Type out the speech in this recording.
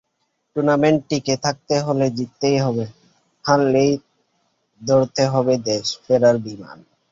টুর্নামেন্টে টিকে থাকতে হলে জিততেই হবে, হারলেই ধরতে হবে দেশে ফেরার বিমান।